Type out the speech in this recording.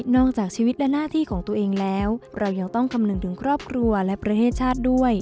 จากชีวิตและหน้าที่ของตัวเองแล้วเรายังต้องคำนึงถึงครอบครัวและประเทศชาติด้วย